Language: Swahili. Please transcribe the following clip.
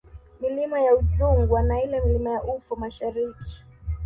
Milima ya Udzungwa na ile Milima ya Ufa Mashariki